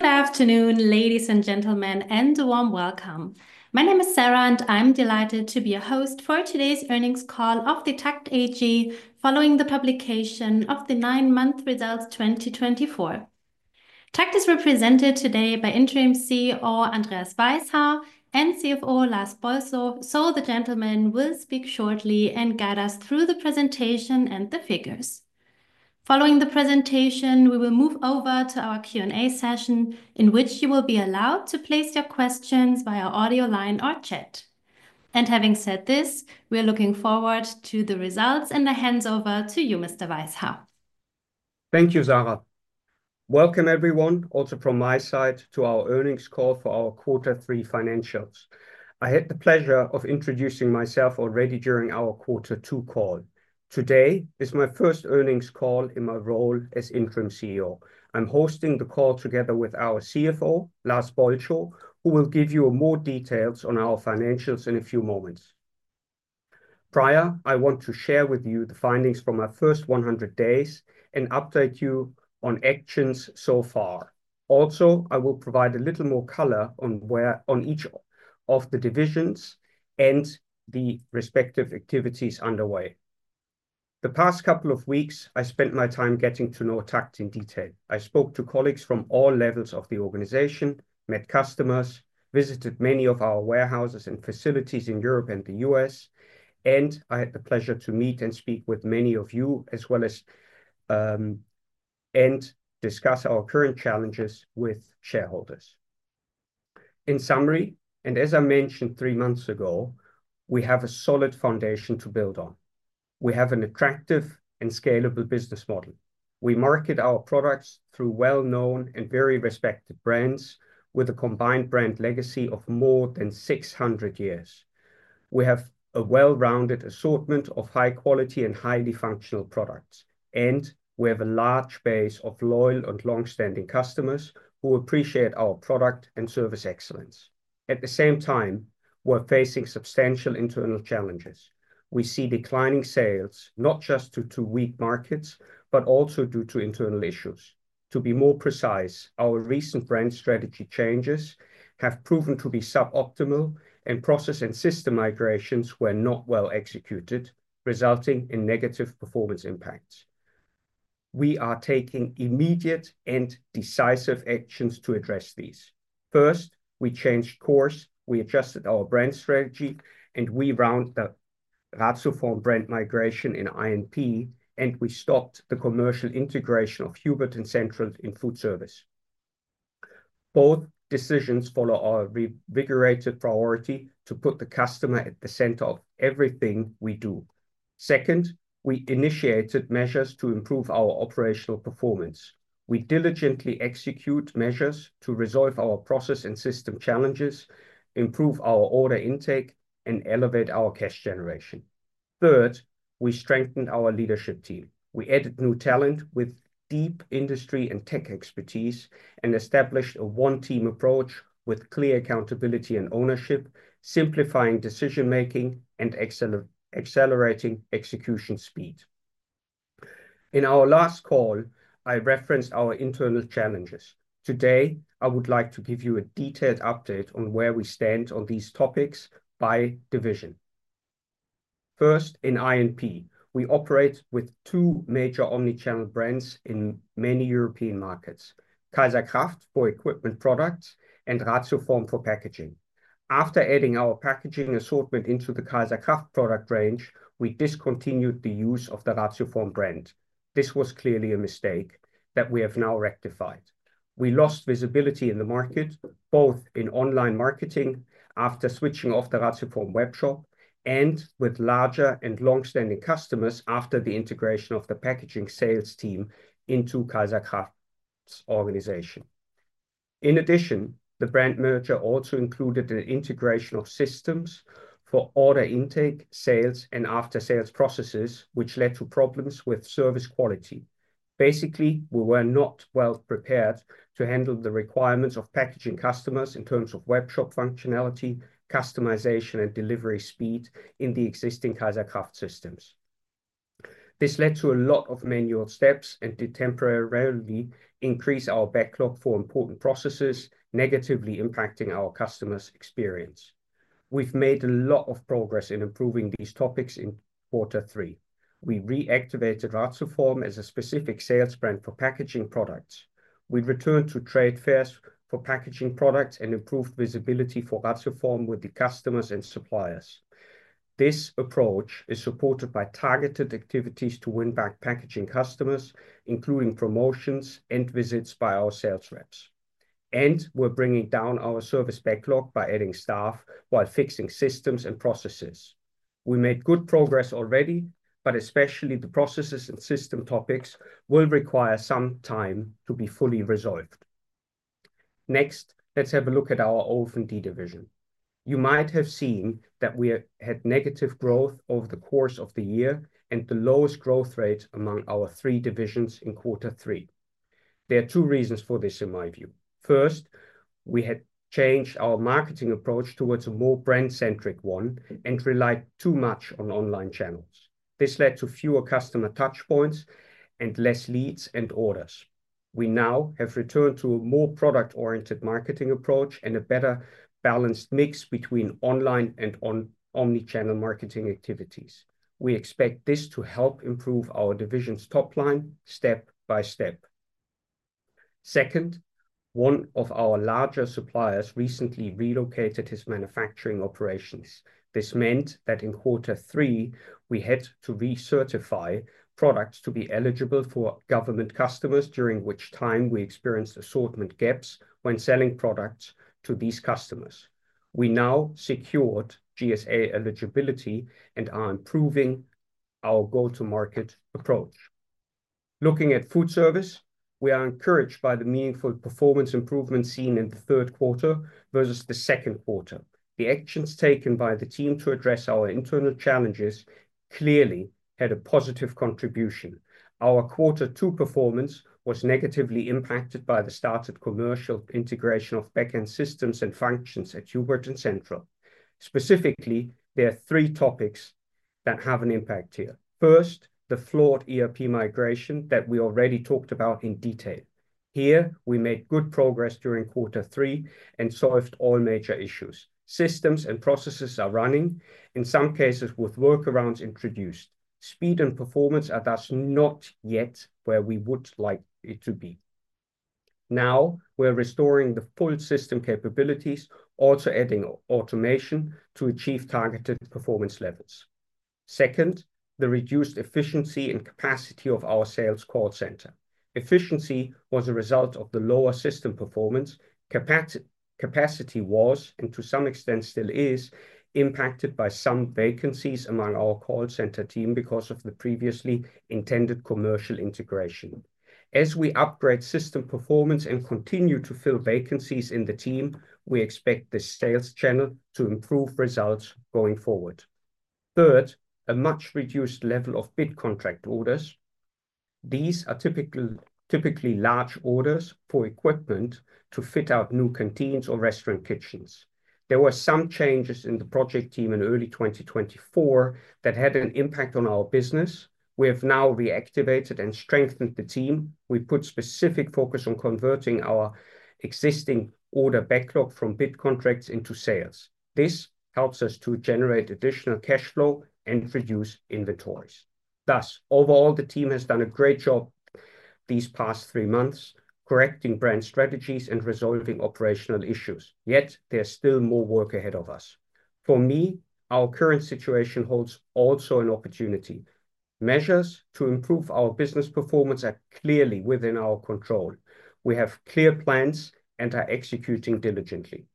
Good afternoon, ladies and gentlemen, and a warm welcome. My name is Sarah, and I'm delighted to be your host for today's earnings call of the TAKKT AG, following the publication of the nine-month results 2024. TAKKT is represented today by Interim CEO, Andreas Weishaar, and CFO, Lars Bolscho, so the gentlemen will speak shortly and guide us through the presentation and the figures. Following the presentation, we will move over to our Q&A session, in which you will be allowed to place your questions via audio line or chat, and having said this, we are looking forward to the results, and I hand over to you, Mr. Weishaar. Thank you, Sarah. Welcome, everyone, also from my side, to our Earnings Call for our Quarter Three Financials. I had the pleasure of introducing myself already during our Quarter Two call. Today is my first earnings call in my role as Interim CEO. I'm hosting the call together with our CFO, Lars Bolscho, who will give you more details on our financials in a few moments. Prior, I want to share with you the findings from my first one hundred days and update you on actions so far. Also, I will provide a little more color on each of the divisions and the respective activities underway. The past couple of weeks, I spent my time getting to know TAKKT in detail. I spoke to colleagues from all levels of the organization, met customers, visited many of our warehouses and facilities in Europe and the U.S., and I had the pleasure to meet and speak with many of you, as well as, and discuss our current challenges with shareholders. In summary, and as I mentioned three months ago, we have a solid foundation to build on. We have an attractive and scalable business model. We market our products through well-known and very respected brands, with a combined brand legacy of more than 600 years. We have a well-rounded assortment of high quality and highly functional products, and we have a large base of loyal and long-standing customers who appreciate our product and service excellence. At the same time, we're facing substantial internal challenges. We see declining sales, not just due to weak markets, but also due to internal issues. To be more precise, our recent brand strategy changes have proven to be suboptimal, and process and system migrations were not well executed, resulting in negative performance impacts. We are taking immediate and decisive actions to address these. First, we changed course, we adjusted our brand strategy, and we wound down the Ratioform brand migration in I&P, and we stopped the commercial integration of Hubert and Central in FoodService. Both decisions follow our reinvigorated priority to put the customer at the center of everything we do. Second, we initiated measures to improve our operational performance. We diligently execute measures to resolve our process and system challenges, improve our order intake, and elevate our cash generation. Third, we strengthened our leadership team. We added new talent with deep industry and tech expertise, and established a one-team approach with clear accountability and ownership, simplifying decision-making and accelerating execution speed. In our last call, I referenced our internal challenges. Today, I would like to give you a detailed update on where we stand on these topics by division. First, in I&P, we operate with two major omni-channel brands in many European markets: kaiserkraft for equipment products and Ratioform for packaging. After adding our packaging assortment into the kaiserkraft product range, we discontinued the use of the Ratioform brand. This was clearly a mistake that we have now rectified. We lost visibility in the market, both in online marketing after switching off the Ratioform webshop, and with larger and long-standing customers after the integration of the packaging sales team into kaiserkraft's organization. In addition, the brand merger also included an integration of systems for order intake, sales, and after-sales processes, which led to problems with service quality. Basically, we were not well prepared to handle the requirements of packaging customers in terms of webshop functionality, customization, and delivery speed in the existing kaiserkraft systems. This led to a lot of manual steps and did temporarily increase our backlog for important processes, negatively impacting our customers' experience. We've made a lot of progress in improving these topics in quarter three. We reactivated Ratioform as a specific sales brand for packaging products. We returned to trade fairs for packaging products and improved visibility for Ratioform with the customers and suppliers. This approach is supported by targeted activities to win back packaging customers, including promotions and visits by our sales reps, and we're bringing down our service backlog by adding staff while fixing systems and processes. We made good progress already, but especially the processes and system topics will require some time to be fully resolved. Next, let's have a look at our OF&D division. You might have seen that we had negative growth over the course of the year and the lowest growth rate among our three divisions in quarter three. There are two reasons for this, in my view. First, we had changed our marketing approach towards a more brand-centric one and relied too much on online channels. This led to fewer customer touchpoints and less leads and orders. We now have returned to a more product-oriented marketing approach and a better balanced mix between online and omni-channel marketing activities. We expect this to help improve our division's top line step by step. Second, one of our larger suppliers recently relocated his manufacturing operations. This meant that in quarter three, we had to recertify products to be eligible for government customers, during which time we experienced assortment gaps when selling products to these customers. We now secured GSA eligibility and are improving our go-to-market approach. Looking at FoodService, we are encouraged by the meaningful performance improvement seen in the third quarter versus the second quarter. The actions taken by the team to address our internal challenges clearly had a positive contribution. Our quarter two performance was negatively impacted by the start of commercial integration of back-end systems and functions at Hubert and Central. Specifically, there are three topics that have an impact here. First, the flawed ERP migration that we already talked about in detail. Here, we made good progress during quarter three and solved all major issues. Systems and processes are running, in some cases, with workarounds introduced. Speed and performance are thus not yet where we would like it to be. Now, we're restoring the full system capabilities, also adding automation to achieve targeted performance levels. Second, the reduced efficiency and capacity of our sales call center. Efficiency was a result of the lower system performance. Capacity was, and to some extent still is, impacted by some vacancies among our call center team because of the previously intended commercial integration. As we upgrade system performance and continue to fill vacancies in the team, we expect the sales channel to improve results going forward. Third, a much reduced level of bid contract orders. These are typical, typically large orders for equipment to fit out new canteens or restaurant kitchens. There were some changes in the project team in early 2024 that had an impact on our business. We have now reactivated and strengthened the team. We put specific focus on converting our existing order backlog from bid contracts into sales. This helps us to generate additional cash flow and reduce inventories. Thus, overall, the team has done a great job these past three months, correcting brand strategies and resolving operational issues, yet there's still more work ahead of us. For me, our current situation holds also an opportunity. Measures to improve our business performance are clearly within our control. We have clear plans and are executing diligently.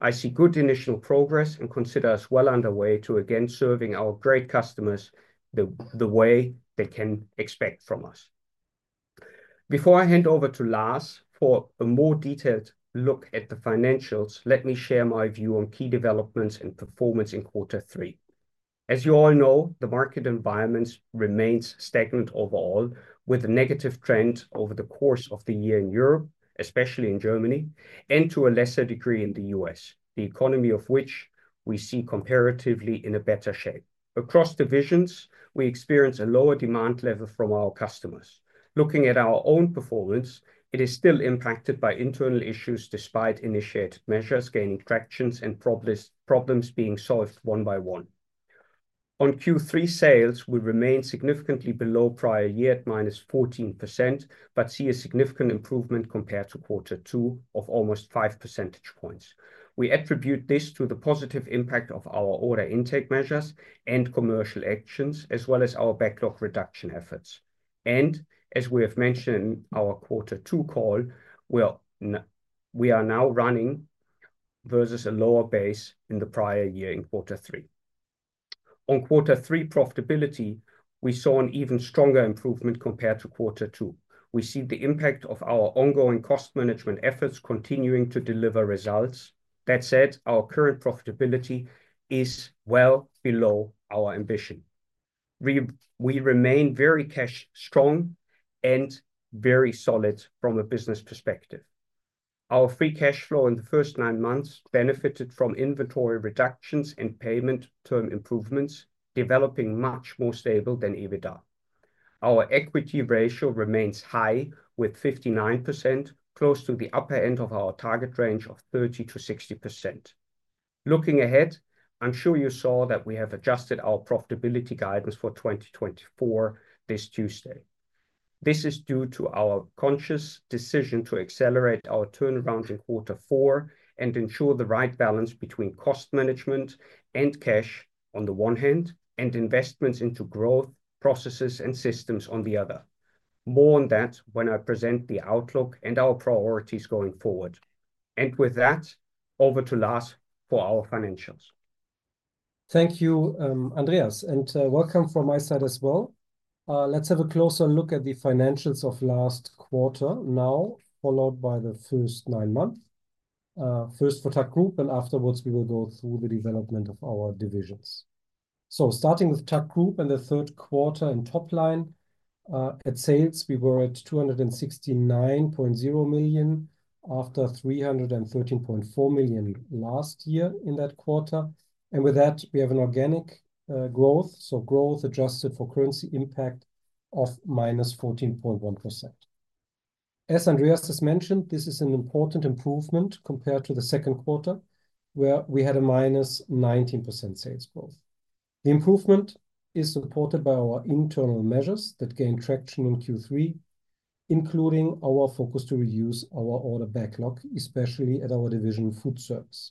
I see good initial progress and consider us well underway to again serving our great customers the way they can expect from us. Before I hand over to Lars for a more detailed look at the financials, let me share my view on key developments and performance in quarter three. As you all know, the market environment remains stagnant overall, with a negative trend over the course of the year in Europe, especially in Germany, and to a lesser degree in the U.S., the economy of which we see comparatively in a better shape. Across divisions, we experience a lower demand level from our customers. Looking at our own performance, it is still impacted by internal issues despite initiated measures gaining traction and problems being solved one-by-one. On Q3, sales will remain significantly below prior year at minus 14%, but see a significant improvement compared to quarter two of almost 5 percentage points. We attribute this to the positive impact of our order intake measures and commercial actions, as well as our backlog reduction efforts. And as we have mentioned in our quarter two call, we are now running versus a lower base in the prior year in quarter three. On quarter three profitability, we saw an even stronger improvement compared to quarter two. We see the impact of our ongoing cost management efforts continuing to deliver results. That said, our current profitability is well below our ambition. We remain very cash strong and very solid from a business perspective. Our free cash flow in the first nine months benefited from inventory reductions and payment term improvements, developing much more stable than EBITDA. Our equity ratio remains high, with 59% close to the upper end of our target range of 30%-60%. Looking ahead, I'm sure you saw that we have adjusted our profitability guidance for 2024 this Tuesday. This is due to our conscious decision to accelerate our turnaround in quarter four and ensure the right balance between cost management and cash on the one hand, and investments into growth, processes, and systems on the other. More on that when I present the outlook and our priorities going forward. And with that, over to Lars for our financials. Thank you, Andreas, and welcome from my side as well. Let's have a closer look at the financials of last quarter now, followed by the first nine months. First for TAKKT Group, and afterwards, we will go through the development of our divisions. Starting with TAKKT Group in the third quarter and top line, at sales, we were at 269.0 million, after 313.4 million last year in that quarter. And with that, we have an organic growth, so growth adjusted for currency impact of -14.1%. As Andreas has mentioned, this is an important improvement compared to the second quarter, where we had a -19% sales growth. The improvement is supported by our internal measures that gain traction in Q3, including our focus to reduce our order backlog, especially at our division FoodService.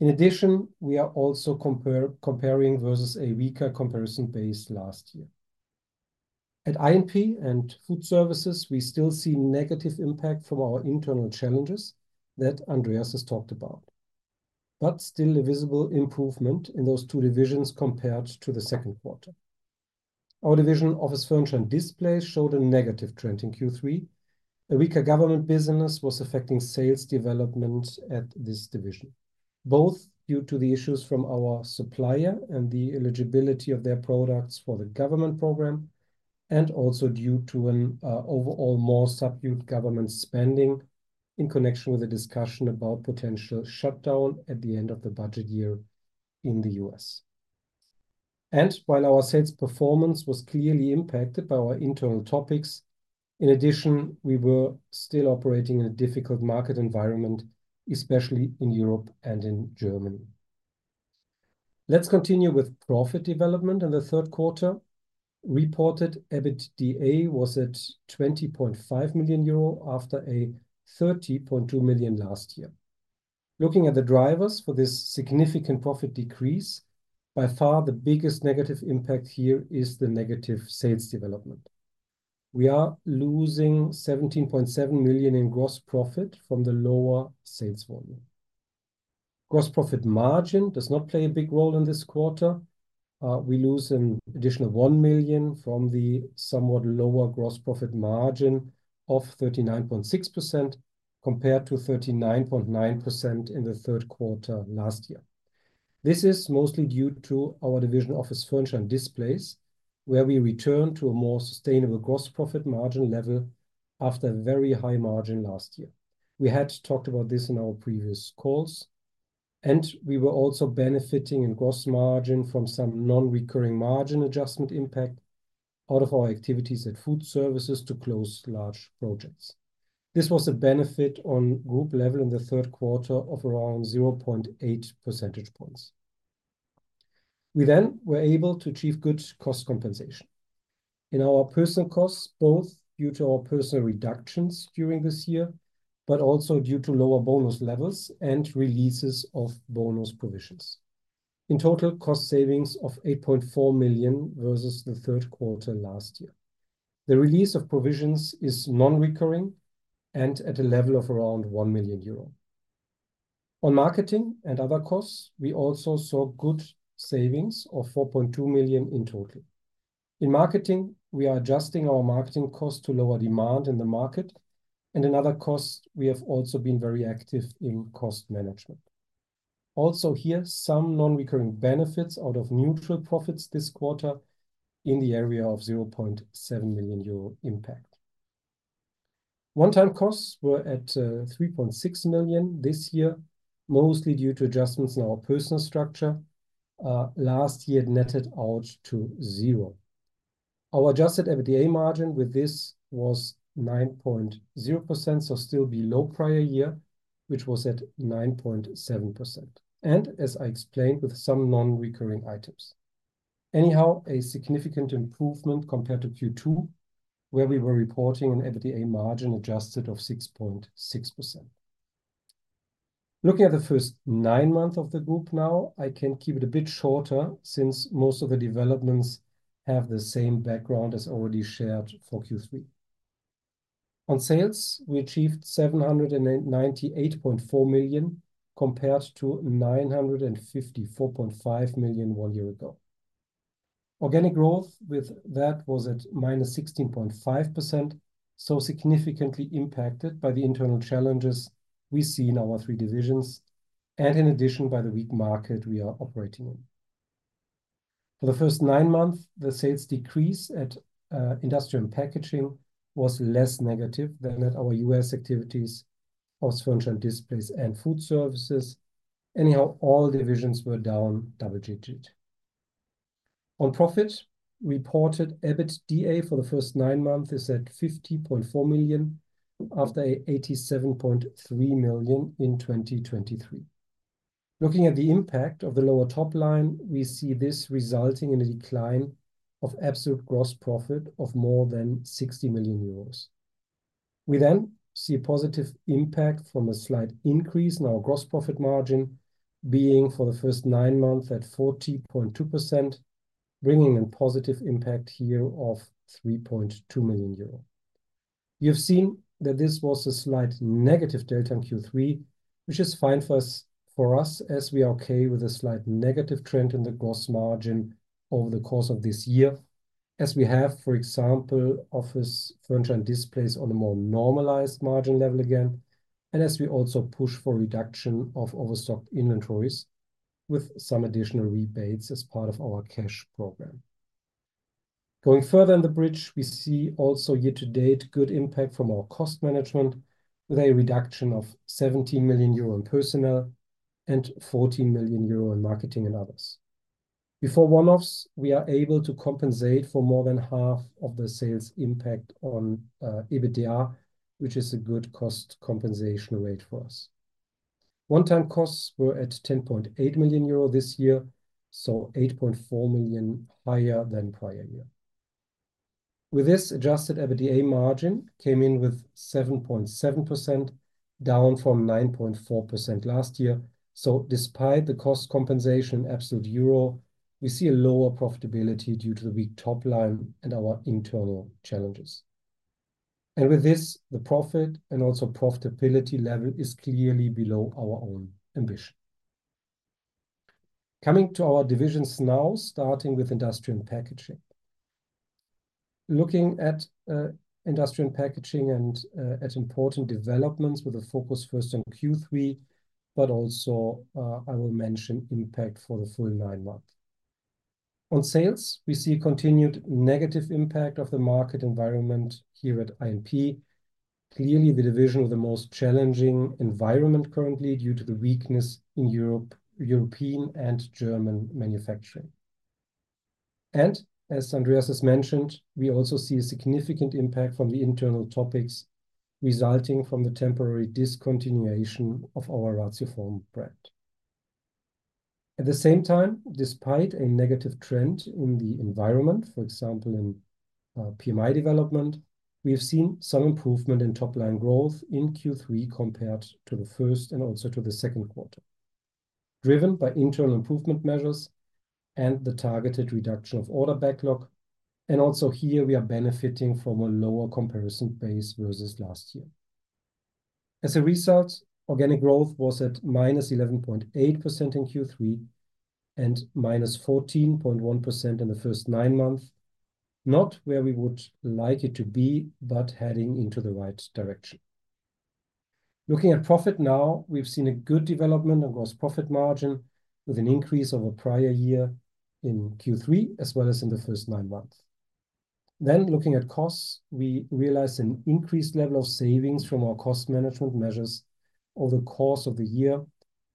In addition, we are also comparing versus a weaker comparison base last year. At I&P and FoodServices, we still see negative impact from our internal challenges that Andreas has talked about, but still a visible improvement in those two divisions compared to the second quarter. Our division office furniture and display showed a negative trend in Q3. A weaker government business was affecting sales development at this division, both due to the issues from our supplier and the eligibility of their products for the government program, and also due to an overall more subdued government spending in connection with a discussion about potential shutdown at the end of the budget year in the U.S. While our sales performance was clearly impacted by our internal topics, in addition, we were still operating in a difficult market environment, especially in Europe and in Germany. Let's continue with profit development. In the third quarter, reported EBITDA was at 20.5 million euro, after 30.2 million last year. Looking at the drivers for this significant profit decrease, by far, the biggest negative impact here is the negative sales development. We are losing 17.7 million in gross profit from the lower sales volume. Gross profit margin does not play a big role in this quarter. We lose an additional 1 million from the somewhat lower gross profit margin of 39.6%, compared to 39.9% in the third quarter last year. This is mostly due to our Office Furniture and Displays division, where we return to a more sustainable gross profit margin level after a very high margin last year. We had talked about this in our previous calls, and we were also benefiting in gross margin from some non-recurring margin adjustment impact out of our activities at FoodService to close large projects. This was a benefit on group level in the third quarter of around 0.8 percentage points. We then were able to achieve good cost compensation. In our personnel costs, both due to our personnel reductions during this year, but also due to lower bonus levels and releases of bonus provisions. In total, cost savings of 8.4 million versus the third quarter last year. The release of provisions is non-recurring and at a level of around 1 million euro. On marketing and other costs, we also saw good savings of 4.2 million in total. In marketing, we are adjusting our marketing cost to lower demand in the market, and in other costs, we have also been very active in cost management. Also here, some non-recurring benefits out of neutral profits this quarter in the area of 0.7 million euro impact. One-time costs were at 3.6 million this year, mostly due to adjustments in our personnel structure. Last year, it netted out to zero. Our adjusted EBITDA margin with this was 9.0%, so still below prior year, which was at 9.7%, and as I explained, with some non-recurring items. Anyhow, a significant improvement compared to Q2, where we were reporting an EBITDA margin adjusted of 6.6%. Looking at the first nine months of the group now, I can keep it a bit shorter, since most of the developments have the same background as already shared for Q3. On sales, we achieved 798.4 million, compared to 954.5 million one year ago. Organic growth with that was at -16.5%, so significantly impacted by the internal challenges we see in our three divisions, and in addition, by the weak market we are operating in. For the first nine months, the sales decrease at industrial and packaging was less negative than at our U.S. activities, office furniture and displays, and FoodServices. Anyhow, all divisions were down double-digit. On profit, reported EBITDA for the first nine months is at 50.4 million, after 87.3 million in 2023. Looking at the impact of the lower top line, we see this resulting in a decline of absolute gross profit of more than 60 million euros. We then see a positive impact from a slight increase in our gross profit margin, being for the first nine months at 40.2%, bringing a positive impact here of 3.2 million euro. You've seen that this was a slight negative delta in Q3, which is fine for us, for us, as we are okay with a slight negative trend in the gross margin over the course of this year as we have, for example, office furniture and displays on a more normalized margin level again, and as we also push for reduction of overstocked inventories with some additional rebates as part of our cash program. Going further in the bridge, we see also year-to-date good impact from our cost management, with a reduction of 17 million euro in personnel and 14 million euro in marketing and others. Before one-offs, we are able to compensate for more than half of the sales impact on EBITDA, which is a good cost compensation rate for us. One-time costs were at 10.8 million euro this year, so 8.4 million higher than prior year. With this, adjusted EBITDA margin came in with 7.7%, down from 9.4% last year. So despite the cost compensation absolute euro, we see a lower profitability due to the weak top line and our internal challenges. And with this, the profit and also profitability level is clearly below our own ambition. Coming to our divisions now, starting with Industrial and Packaging. Looking at Industrial and Packaging and at important developments with a focus first on Q3, but also I will mention impact for the full nine month. On sales, we see continued negative impact of the market environment here at I&P. Clearly, the division with the most challenging environment currently due to the weakness in European and German manufacturing, and as Andreas has mentioned, we also see a significant impact from the internal topics resulting from the temporary discontinuation of our Ratioform brand. At the same time, despite a negative trend in the environment, for example, in PMI development, we have seen some improvement in top-line growth in Q3 compared to the first and also to the second quarter, driven by internal improvement measures and the targeted reduction of order backlog, and also here, we are benefiting from a lower comparison base versus last year. As a result, organic growth was at minus 11.8% in Q3 and minus 14.1% in the first nine months. Not where we would like it to be, but heading into the right direction. Looking at profit now, we've seen a good development of gross profit margin with an increase over prior year in Q3, as well as in the first nine months. Then looking at costs, we realized an increased level of savings from our cost management measures over the course of the year,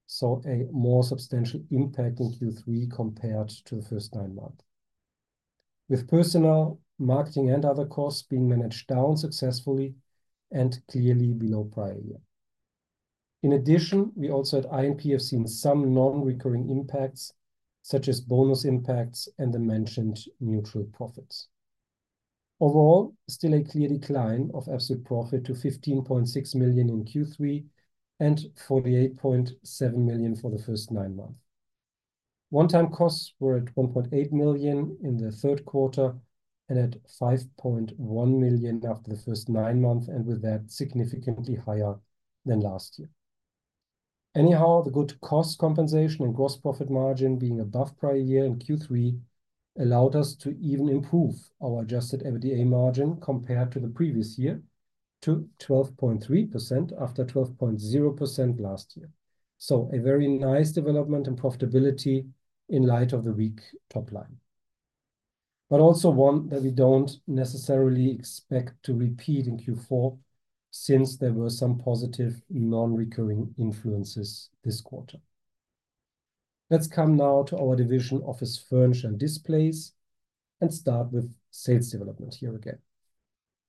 so a more substantial impact in Q3 compared to the first nine months, with personnel, marketing, and other costs being managed down successfully and clearly below prior year. In addition, we also at I&P have seen some non-recurring impacts, such as bonus impacts and the mentioned neutral profits. Overall, still a clear decline of absolute profit to 15.6 million in Q3 and 48.7 million for the first nine months. One-time costs were at 1.8 million in the third quarter and at 5.1 million after the first nine months, and with that, significantly higher than last year. Anyhow, the good cost compensation and gross profit margin being above prior year in Q3 allowed us to even improve our adjusted EBITDA margin compared to the previous year, to 12.3% after 12.0% last year. So a very nice development and profitability in light of the weak top line. But also one that we don't necessarily expect to repeat in Q4, since there were some positive non-recurring influences this quarter. Let's come now to our division Office Furniture and Displays, and start with sales development here again.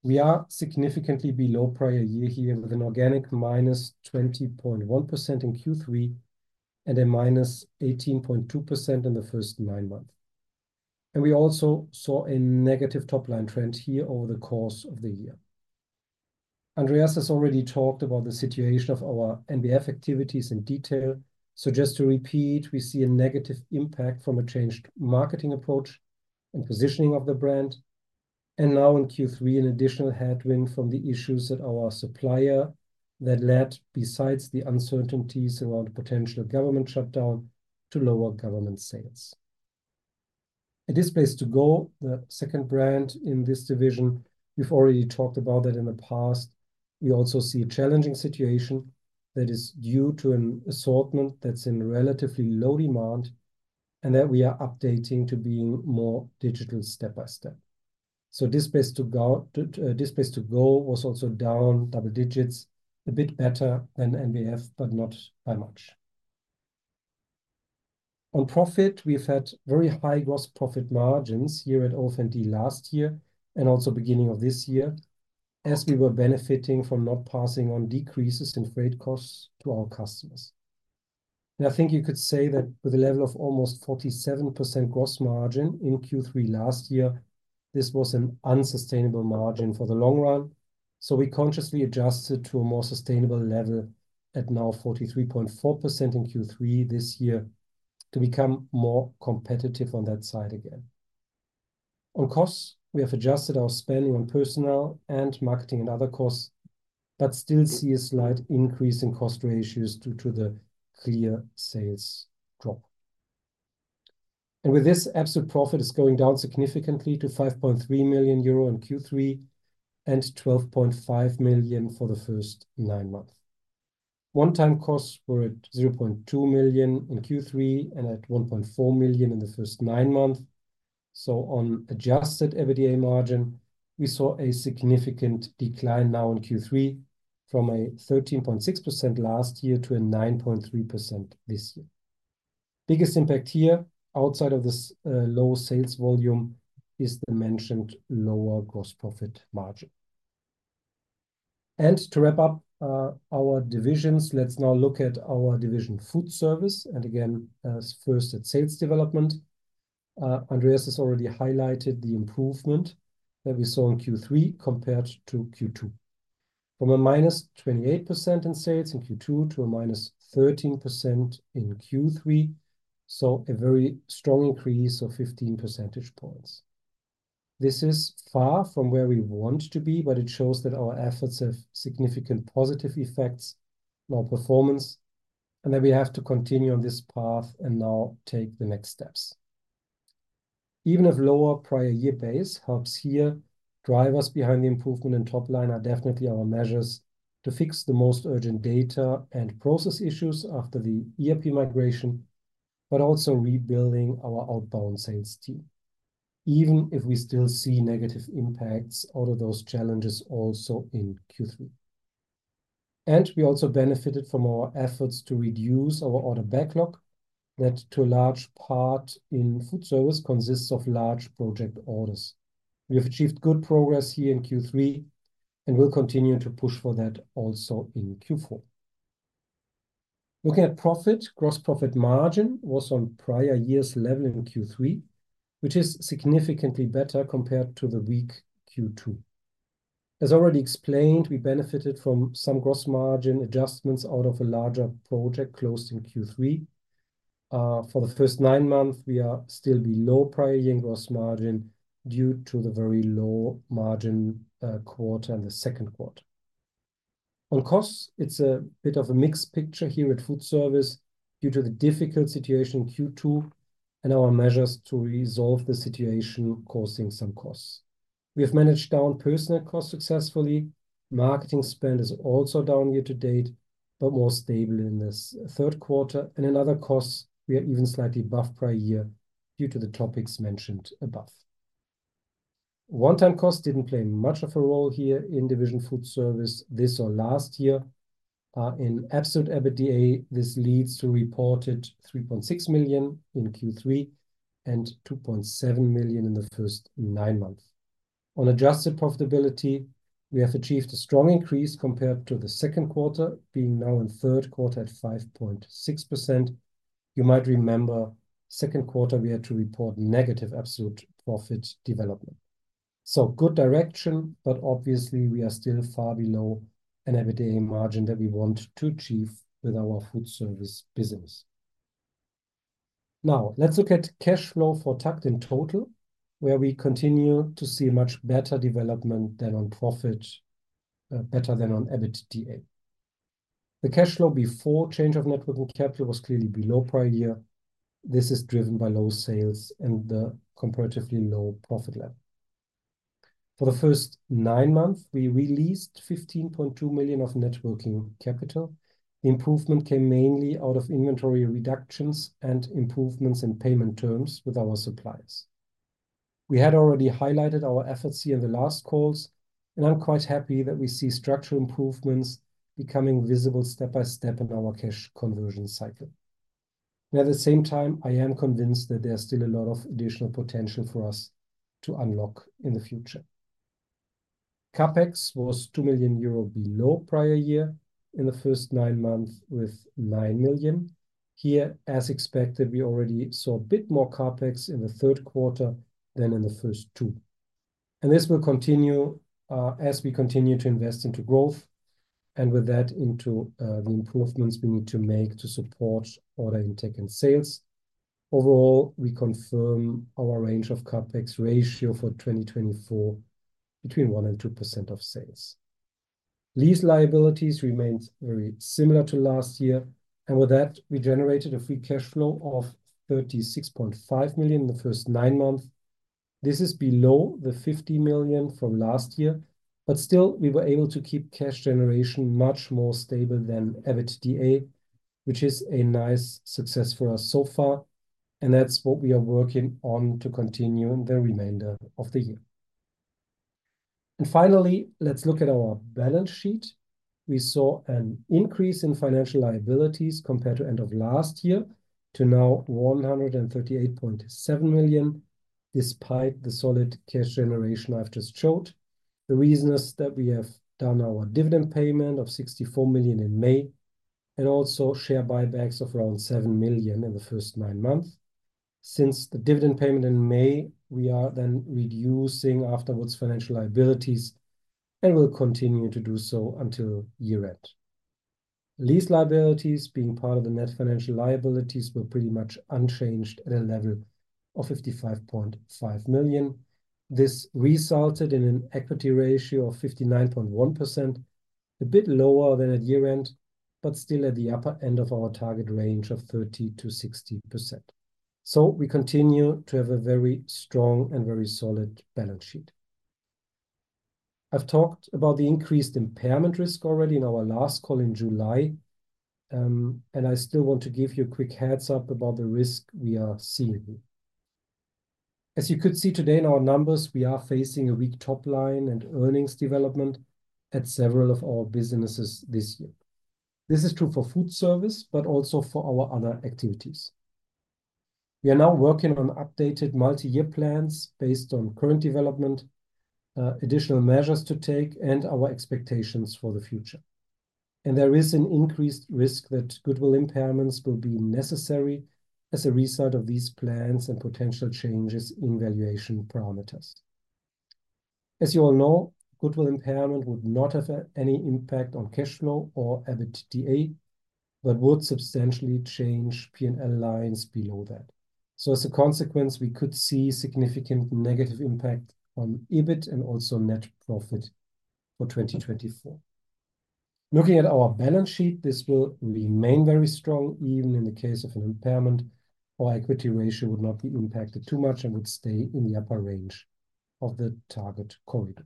We are significantly below prior year here, with an organic minus 20.1% in Q3 and a minus 18.2% in the first nine months. And we also saw a negative top-line trend here over the course of the year. Andreas has already talked about the situation of our NBF activities in detail. So just to repeat, we see a negative impact from a changed marketing approach and positioning of the brand, and now in Q3, an additional headwind from the issues at our supplier that led, besides the uncertainties around potential government shutdown, to lower government sales. At Displays2Go, the second brand in this division, we've already talked about that in the past. We also see a challenging situation that is due to an assortment that's in relatively low demand, and that we are updating to being more digital step by step. Displays2Go was also down double digits, a bit better than NBF, but not by much. On profit, we've had very high gross profit margins here at OF&D last year, and also beginning of this year, as we were benefiting from not passing on decreases in freight costs to our customers. And I think you could say that with a level of almost 47% gross margin in Q3 last year, this was an unsustainable margin for the long run. So we consciously adjusted to a more sustainable level at now 43.4% in Q3 this year, to become more competitive on that side again. On costs, we have adjusted our spending on personnel and marketing and other costs, but still see a slight increase in cost ratios due to the clear sales drop. And with this, absolute profit is going down significantly to 5.3 million euro in Q3, and 12.5 million for the first nine months. One-time costs were at 0.2 million in Q3 and at 1.4 million in the first nine months. So on adjusted EBITDA margin, we saw a significant decline now in Q3, from a 13.6% last year to a 9.3% this year. Biggest impact here, outside of this, low sales volume, is the mentioned lower gross profit margin. And to wrap up, our divisions, let's now look at our division FoodService, and again, as first at sales development. Andreas has already highlighted the improvement that we saw in Q3 compared to Q2. From a minus 28% in sales in Q2 to a minus 13% in Q3, so a very strong increase of 15 percentage points. This is far from where we want to be, but it shows that our efforts have significant positive effects on performance, and that we have to continue on this path and now take the next steps. Even if lower prior year base helps here, drivers behind the improvement in top line are definitely our measures to fix the most urgent data and process issues after the ERP migration, but also rebuilding our outbound sales team, even if we still see negative impacts out of those challenges also in Q3. And we also benefited from our efforts to reduce our order backlog, that to a large part in FoodService, consists of large project orders. We have achieved good progress here in Q3, and we'll continue to push for that also in Q4. Looking at profit, gross profit margin was on prior years level in Q3, which is significantly better compared to the weak Q2. As already explained, we benefited from some gross margin adjustments out of a larger project closed in Q3. For the first nine months, we are still below prior year gross margin due to the very low margin, quarter and the second quarter. On costs, it's a bit of a mixed picture here at FoodService due to the difficult situation in Q2 and our measures to resolve the situation causing some costs. We have managed down personnel costs successfully. Marketing spend is also down year-to-date, but more stable in this third quarter, and in other costs, we are even slightly above prior year due to the topics mentioned above. One-time costs didn't play much of a role here in division FoodService, this or last year. In absolute EBITDA, this leads to reported 3.6 million in Q3 and 2.7 million in the first nine months. On adjusted profitability, we have achieved a strong increase compared to the second quarter, being now in third quarter at 5.6%. You might remember, second quarter, we had to report negative absolute profit development. So good direction, but obviously, we are still far below an EBITDA margin that we want to achieve with our FoodService business. Now, let's look at cash flow for TAKKT in total, where we continue to see much better development than on profit, better than on EBITDA. The cash flow before change of net working capital was clearly below prior year. This is driven by low sales and the comparatively low profit level. For the first nine months, we released 15.2 million of net working capital. Improvement came mainly out of inventory reductions and improvements in payment terms with our suppliers. We had already highlighted our efforts here in the last calls, and I'm quite happy that we see structural improvements becoming visible step by step in our Cash Conversion Cycle. And at the same time, I am convinced that there are still a lot of additional potential for us to unlock in the future. CapEx was 2 million euro below prior year in the first nine months, with 9 million. Here, as expected, we already saw a bit more CapEx in the third quarter than in the first two, and this will continue, as we continue to invest into growth, and with that, into the improvements we need to make to support order intake and sales. Overall, we confirm our range of CapEx ratio for 2024 between 1% and 2% of sales. Lease liabilities remained very similar to last year, and with that, we generated a free cash flow of 36.5 million in the first nine months. This is below the 50 million from last year, but still, we were able to keep cash generation much more stable than EBITDA, which is a nice success for us so far, and that's what we are working on to continue in the remainder of the year. Finally, let's look at our balance sheet. We saw an increase in financial liabilities compared to end of last year to now 138.7 million, despite the solid cash generation I've just showed. The reason is that we have done our dividend payment of 64 million in May, and also share buybacks of around 7 million in the first nine months. Since the dividend payment in May, we are then reducing afterwards financial liabilities, and we'll continue to do so until year-end. Lease liabilities being part of the net financial liabilities were pretty much unchanged at a level of 55.5 million. This resulted in an equity ratio of 59.1%, a bit lower than at year-end, but still at the upper end of our target range of 30%-60%. So we continue to have a very strong and very solid balance sheet. I've talked about the increased impairment risk already in our last call in July, and I still want to give you a quick heads-up about the risk we are seeing. As you could see today in our numbers, we are facing a weak top line and earnings development at several of our businesses this year. This is true for FoodService, but also for our other activities. We are now working on updated multi-year plans based on current development, additional measures to take, and our expectations for the future, and there is an increased risk that goodwill impairments will be necessary as a result of these plans and potential changes in valuation parameters. As you all know, goodwill impairment would not have any impact on cash flow or EBITDA, but would substantially change P&L lines below that. As a consequence, we could see significant negative impact on EBIT and also net profit for 2024. Looking at our balance sheet, this will remain very strong, even in the case of an impairment. Our equity ratio would not be impacted too much and would stay in the upper range of the target corridor.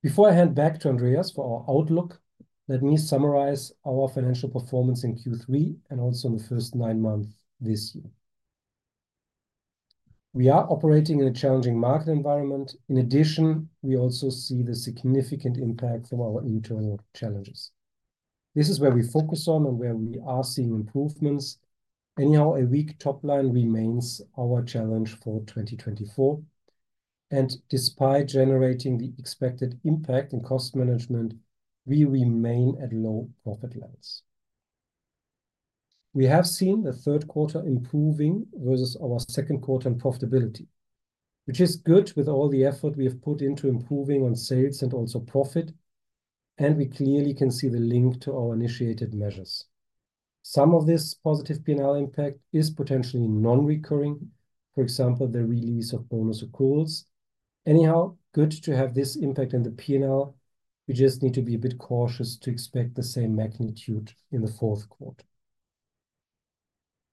Before I hand back to Andreas for our outlook, let me summarize our financial performance in Q3 and also in the first nine months this year. We are operating in a challenging market environment. In addition, we also see the significant impact from our internal challenges. This is where we focus on and where we are seeing improvements. Anyhow, a weak top line remains our challenge for 2024, and despite generating the expected impact in cost management, we remain at low profit levels. We have seen the third quarter improving versus our second quarter in profitability, which is good with all the effort we have put into improving on sales and also profit, and we clearly can see the link to our initiated measures. Some of this positive P&L impact is potentially non-recurring, for example, the release of bonus accruals. Anyhow, good to have this impact in the P&L. We just need to be a bit cautious to expect the same magnitude in the fourth quarter.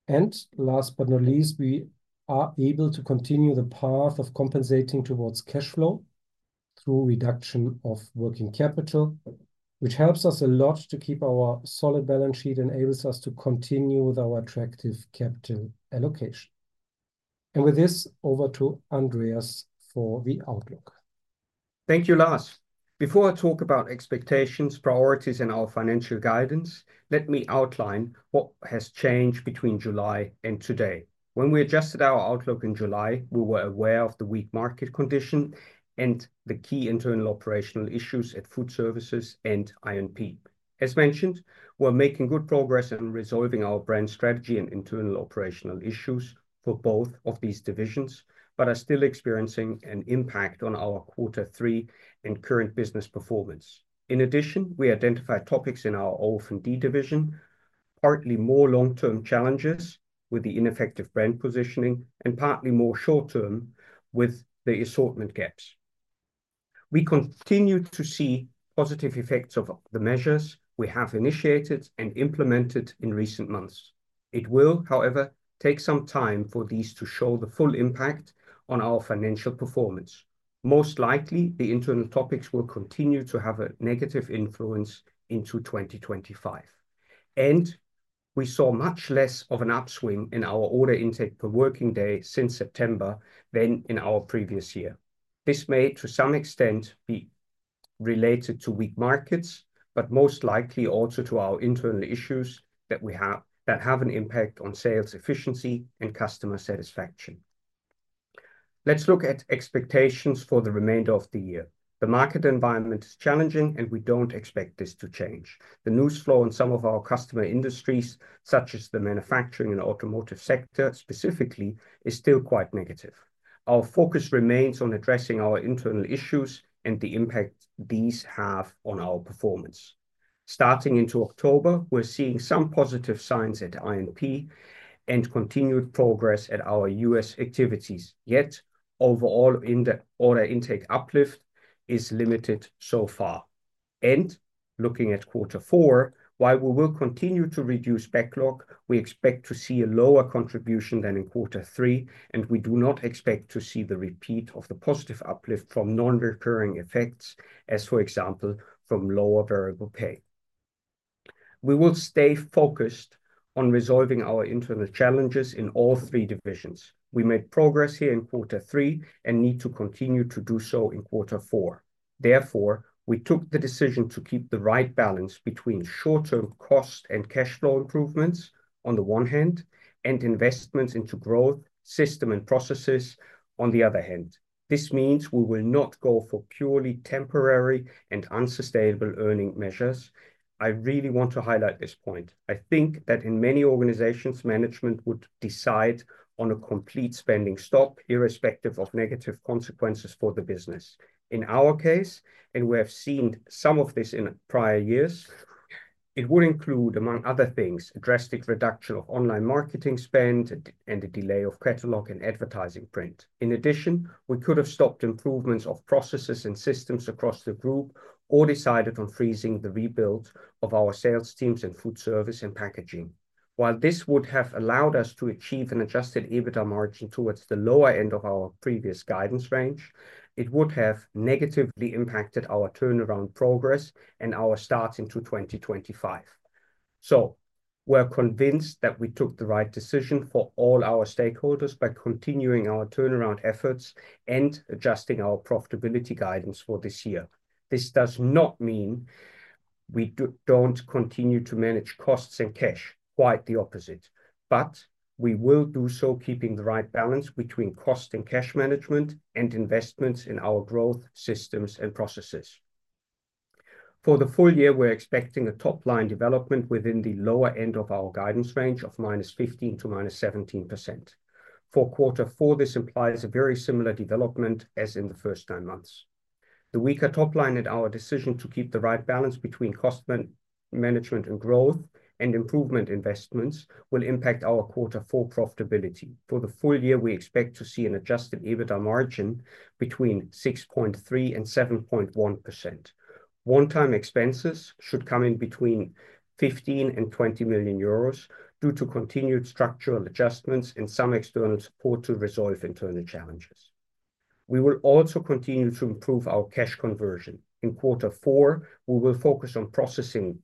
And last but not least, we are able to continue the path of compensating towards cash flow through reduction of working capital, which helps us a lot to keep our solid balance sheet, enables us to continue with our attractive capital allocation. And with this, over to Andreas for the outlook. Thank you, Lars. Before I talk about expectations, priorities, and our financial guidance, let me outline what has changed between July and today. When we adjusted our outlook in July, we were aware of the weak market condition and the key internal operational issues at FoodServices and I&P. As mentioned, we're making good progress in resolving our brand strategy and internal operational issues for both of these divisions, but are still experiencing an impact on our quarter three and current business performance. In addition, we identified topics in our OF&D division, partly more long-term challenges with the ineffective brand positioning and partly more short-term with the assortment gaps. We continue to see positive effects of the measures we have initiated and implemented in recent months. It will, however, take some time for these to show the full impact on our financial performance. Most likely, the internal topics will continue to have a negative influence into 2025, and we saw much less of an upswing in our order intake per working day since September than in our previous year. This may, to some extent, be related to weak markets, but most likely also to our internal issues that have an impact on sales efficiency and customer satisfaction. Let's look at expectations for the remainder of the year. The market environment is challenging, and we don't expect this to change. The news flow in some of our customer industries, such as the manufacturing and automotive sector specifically, is still quite negative. Our focus remains on addressing our internal issues and the impact these have on our performance. Starting into October, we're seeing some positive signs at I&P and continued progress at our U.S. activities. Yet, overall, the order intake uplift is limited so far, and looking at quarter four, while we will continue to reduce backlog, we expect to see a lower contribution than in quarter three, and we do not expect to see the repeat of the positive uplift from non-recurring effects as, for example, from lower variable pay. We will stay focused on resolving our internal challenges in all three divisions. We made progress here in quarter three and need to continue to do so in quarter four. Therefore, we took the decision to keep the right balance between short-term cost and cash flow improvements on the one hand, and investments into growth, system, and processes on the other hand. This means we will not go for purely temporary and unsustainable earning measures. I really want to highlight this point. I think that in many organizations, management would decide on a complete spending stop, irrespective of negative consequences for the business. In our case, and we have seen some of this in prior years. It would include, among other things, a drastic reduction of online marketing spend and a delay of catalog and advertising print. In addition, we could have stopped improvements of processes and systems across the group, or decided on freezing the rebuild of our sales teams in FoodService and packaging. While this would have allowed us to achieve an Adjusted EBITDA margin towards the lower end of our previous guidance range, it would have negatively impacted our turnaround progress and our start into 2025. We're convinced that we took the right decision for all our stakeholders by continuing our turnaround efforts and adjusting our profitability guidance for this year. This does not mean we don't continue to manage costs and cash. Quite the opposite, but we will do so keeping the right balance between cost and cash management and investments in our growth systems and processes. For the full year, we're expecting a top-line development within the lower end of our guidance range of -15% to -17%. For quarter four, this implies a very similar development as in the first nine months. The weaker top line and our decision to keep the right balance between cost management and growth and improvement investments will impact our quarter four profitability. For the full year, we expect to see an Adjusted EBITDA margin between 6.3% - 7.1%. One-time expenses should come in between 15 million - 20 million euros due to continued structural adjustments and some external support to resolve internal challenges. We will also continue to improve our cash conversion. In quarter four, we will focus on processing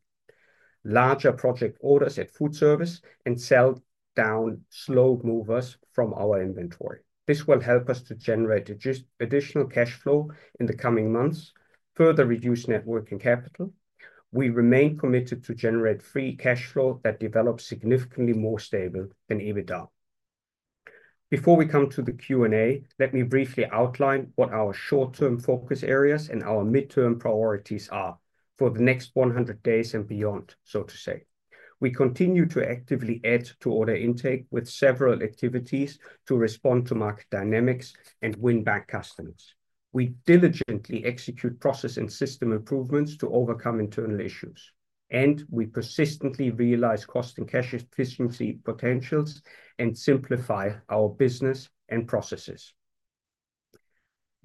larger project orders at FoodService and sell down slow movers from our inventory. This will help us to generate additional cash flow in the coming months, further reduce Net Working Capital. We remain committed to generate Free Cash Flow that develops significantly more stable than EBITDA. Before we come to the Q&A, let me briefly outline what our short-term focus areas and our midterm priorities are for the next 100 days and beyond, so to say. We continue to actively add to order intake with several activities to respond to market dynamics and win back customers. We diligently execute process and system improvements to overcome internal issues, and we persistently realize cost and cash efficiency potentials and simplify our business and processes.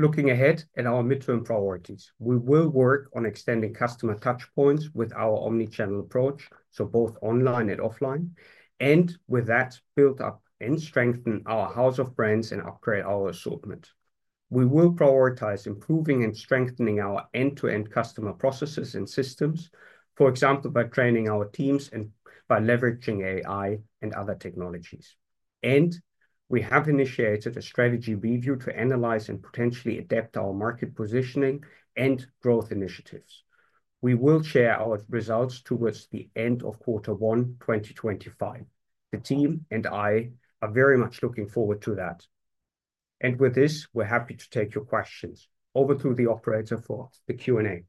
Looking ahead at our midterm priorities, we will work on extending customer touchpoints with our omni-channel approach, so both online and offline, and with that, build up and strengthen our house of brands and upgrade our assortment. We will prioritize improving and strengthening our end-to-end customer processes and systems, for example, by training our teams and by leveraging AI and other technologies. And we have initiated a strategy review to analyze and potentially adapt our market positioning and growth initiatives. We will share our results towards the end of quarter one, 2025. The team and I are very much looking forward to that. And with this, we're happy to take your questions. Over to the operator for the Q&A.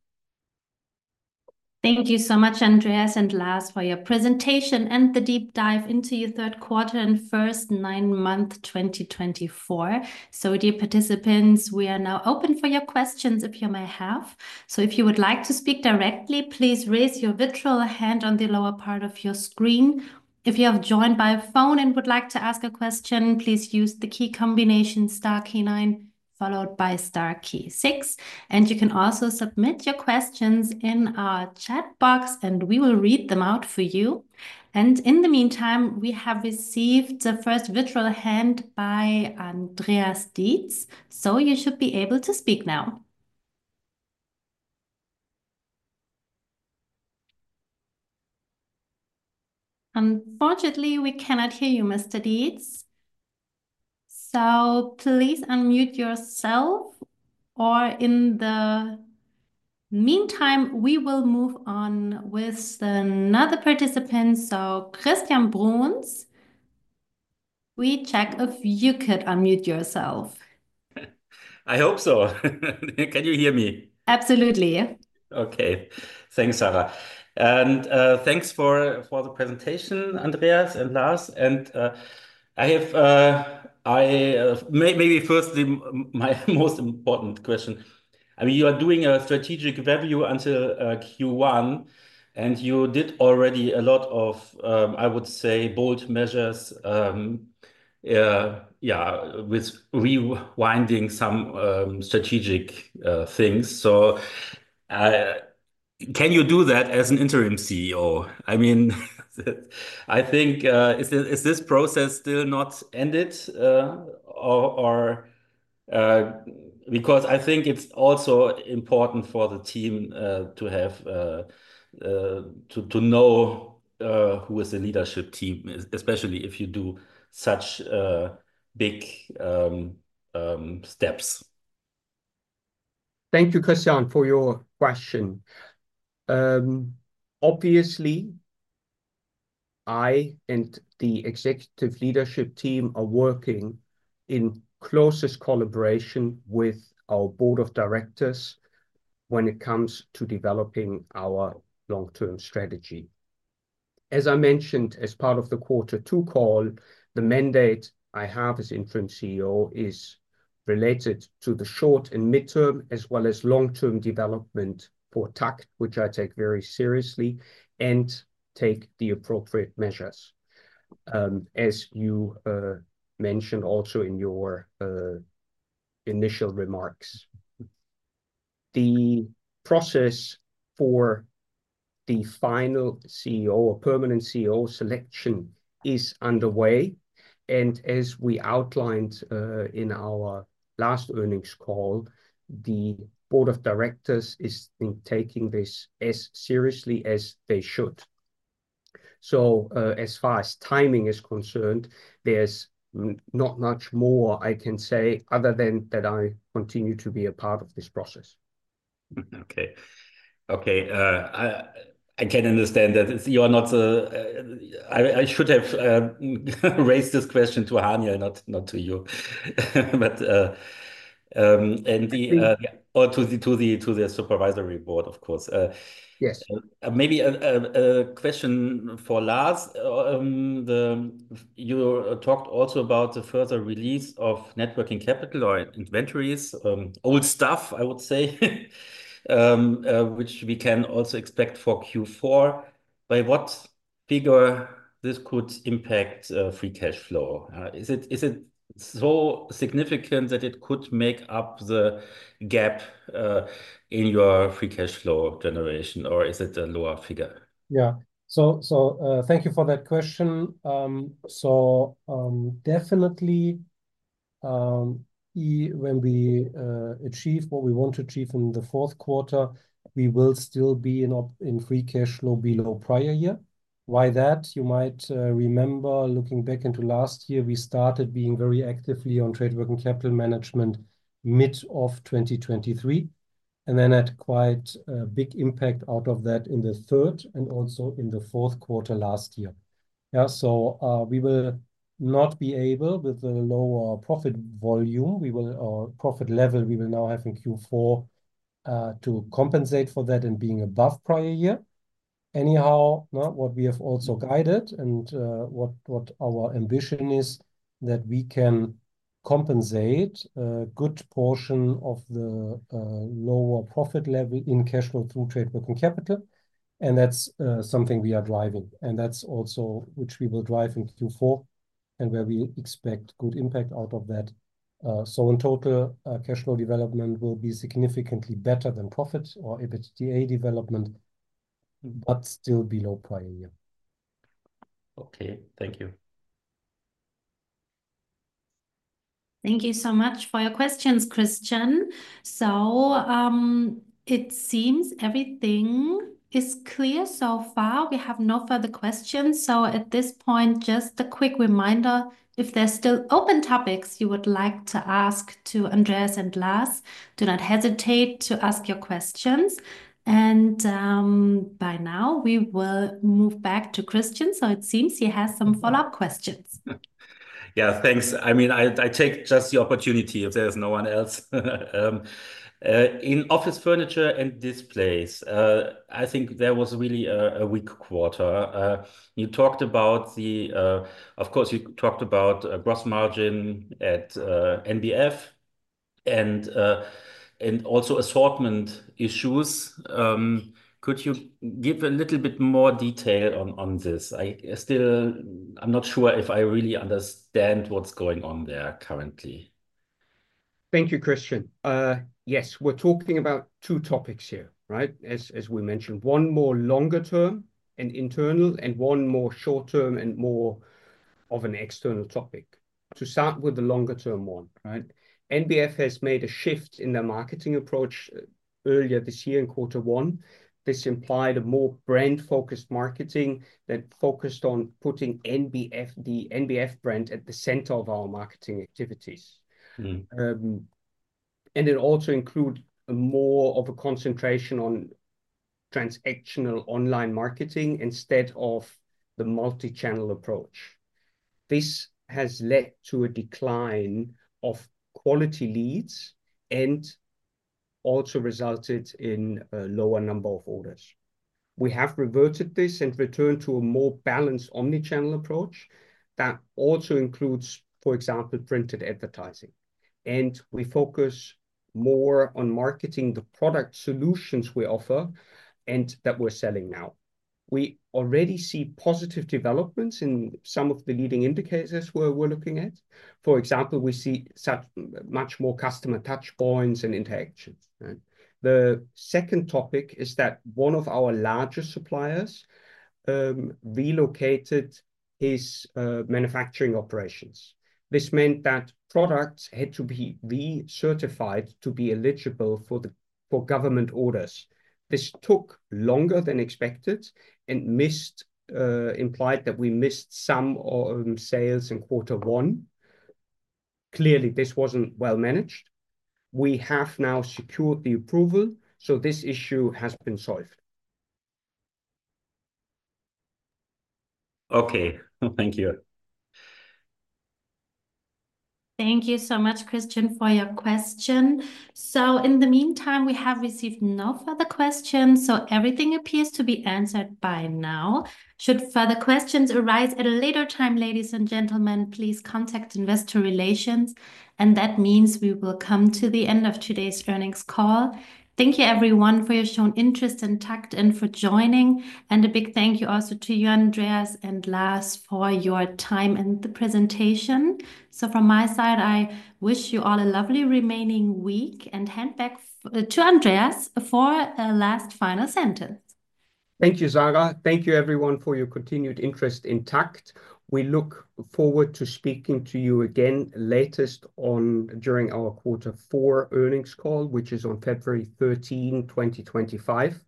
Thank you so much, Andreas and Lars, for your presentation and the deep dive into your third quarter and first nine-month 2024. So dear participants, we are now open for your questions if you may have. So if you would like to speak directly, please raise your virtual hand on the lower part of your screen. If you have joined by phone and would like to ask a question, please use the key combination star key nine, followed by star key six. And you can also submit your questions in our chat box, and we will read them out for you. And in the meantime, we have received the first virtual hand by Andreas Dietz, so you should be able to speak now. Unfortunately, we cannot hear you, Mr. Dietz. So please unmute yourself, or in the meantime, we will move on with another participant. Christian Bruns, we check if you could unmute yourself. I hope so. Can you hear me? Absolutely. Okay. Thanks, Sarah. And thanks for the presentation, Andreas and Lars. And I have. Maybe firstly, my most important question. I mean, you are doing a strategic review until Q1, and you did already a lot of, I would say, bold measures, yeah, with rewinding some strategic things. So, can you do that as an interim CEO? I mean, I think, is this process still not ended, or... Because I think it's also important for the team to have to know who is the leadership team, especially if you do such big steps. Thank you, Christian, for your question. Obviously, I and the executive leadership team are working in closest collaboration with our board of directors when it comes to developing our long-term strategy. As I mentioned, as part of the quarter two call, the mandate I have as interim CEO is related to the short and midterm, as well as long-term development for TAKKT, which I take very seriously and take the appropriate measures. As you mentioned also in your initial remarks, the process for the final CEO or permanent CEO selection is underway, and as we outlined in our last earnings call, the board of directors is taking this as seriously as they should. So, as far as timing is concerned, there's not much more I can say other than that I continue to be a part of this process. Okay. I can understand that you are not... I should have raised this question to Haniel, not to you, but, and the- I think- Or to the supervisory board, of course. Yes. Maybe a question for Lars. You talked also about the further release of net working capital or inventories, old stuff, I would say, which we can also expect for Q4. By what figure this could impact free cash flow? Is it so significant that it could make up the gap in your free cash flow generation, or is it a lower figure? Yeah. So, thank you for that question. So, definitely, when we achieve what we want to achieve in the fourth quarter, we will still be in free cash flow below prior year. Why that? You might remember, looking back into last year, we started being very actively on trade working capital management mid-2023, and then had quite a big impact out of that in the third and also in the fourth quarter last year. Yeah, so, we will not be able, with the lower profit volume, or profit level, we will now have in Q4, to compensate for that and being above prior year. Anyhow, what we have also guided and what our ambition is, that we can compensate a good portion of the lower profit level in cash flow through net working capital, and that's something we are driving, and that's also which we will drive in Q4 and where we expect good impact out of that. So in total, cash flow development will be significantly better than profit or EBITDA development, but still below prior year. Okay, thank you. Thank you so much for your questions, Christian. So, it seems everything is clear so far. We have no further questions. So at this point, just a quick reminder, if there's still open topics you would like to ask to Andreas and Lars, do not hesitate to ask your questions. And, by now, we will move back to Christian, so it seems he has some follow-up questions. Yeah, thanks. I mean, I take just the opportunity if there's no one else. In office furniture and displays, I think there was really a weak quarter. You talked about the... Of course, you talked about gross margin at NBF and also assortment issues. Could you give a little bit more detail on this? I still, I'm not sure if I really understand what's going on there currently. Thank you, Christian. Yes, we're talking about two topics here, right? As we mentioned, one more longer term and internal, and one more short term and more of an external topic. To start with the longer term one, right? NBF has made a shift in their marketing approach earlier this year in quarter one. This implied a more brand-focused marketing that focused on putting NBF, the NBF brand at the center of our marketing activities. Mm. It also include more of a concentration on transactional online marketing instead of the multi-channel approach. This has led to a decline of quality leads and also resulted in a lower number of orders. We have reverted this and returned to a more balanced omni-channel approach that also includes, for example, printed advertising, and we focus more on marketing the product solutions we offer and that we're selling now. We already see positive developments in some of the leading indicators we're looking at. For example, we see so much more customer touchpoints and interactions, right? The second topic is that one of our largest suppliers relocated his manufacturing operations. This meant that products had to be recertified to be eligible for government orders. This took longer than expected and implied that we missed some sales in quarter one. Clearly, this wasn't well managed. We have now secured the approval, so this issue has been solved. Okay, thank you. Thank you so much, Christian, for your question. So in the meantime, we have received no further questions, so everything appears to be answered by now. Should further questions arise at a later time, ladies and gentlemen, please contact Investor Relations, and that means we will come to the end of today's earnings call. Thank you, everyone, for your shown interest in TAKKT and for joining, and a big thank you also to you, Andreas and Lars, for your time and the presentation. So from my side, I wish you all a lovely remaining week, and hand back to Andreas for a last final sentence. Thank you, Sarah. Thank you, everyone, for your continued interest in TAKKT. We look forward to speaking to you again at the latest or during our quarter four earnings call, which is on February 13, 2025,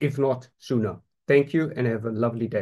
if not sooner. Thank you, and have a lovely day.